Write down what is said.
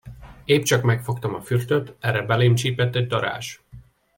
Épp csak megfogtam a fürtöt, erre belém csípett egy darázs.